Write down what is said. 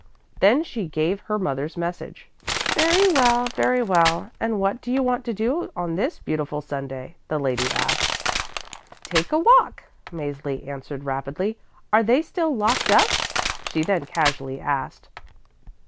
Then she gave her mother's message. "Very well, very well, And what do you want to do on this beautiful Sunday?" the lady asked, "Take a walk," Mäzli answered rapidly. "Are they still locked up?" she then casually asked.